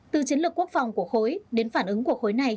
từ chiến lược quốc phòng của khối đến phản ứng của khối này